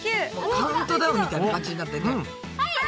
カウントダウンみたいな感じになってんね。